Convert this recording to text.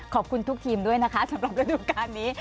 ขอบคุณทุกทีมด้วยนะคะสำหรับฤดูการนี้